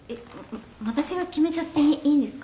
私が決めちゃっていいんですか？